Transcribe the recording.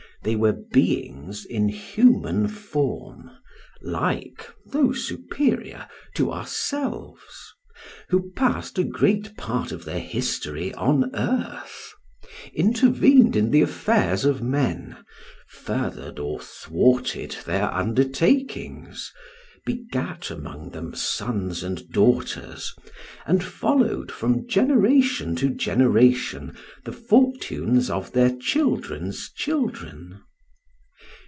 They were beings in human form, like, though superior to ourselves, who passed a great part of their history on earth, intervened in the affairs of men, furthered or thwarted their undertakings, begat among them sons and daughters, and followed, from generation to generation, the fortunes of their children's children.